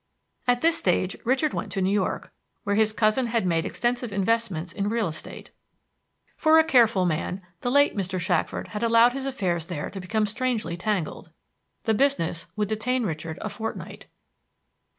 At this stage Richard went to New York, where his cousin had made extensive investments in real estate. For a careful man, the late Mr. Shackford had allowed his affairs there to become strangely tangled. The business would detain Richard a fortnight.